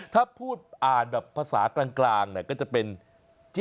ถ้าพูดอ่านแบบภาษากลางก็จะเป็น